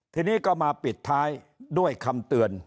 ทีนี้ก็มาปิดท้ายด้วยคำเตือน